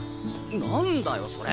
何だよそれ！